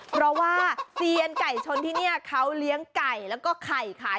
เพราะว่าเซียนไก่ชนที่นี่เขาเลี้ยงไก่แล้วก็ไข่ขาย